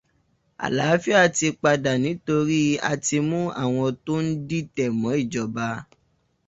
Àlááfíà ti padà nítorí a ti mú àwọn tó ń dìtẹ̀ mọ́ ìjọba.